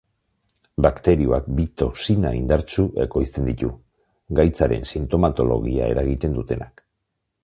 Bakterioak bi toxina indartsu ekoizten ditu, gaitzaren sintomatologia eragiten dutenak.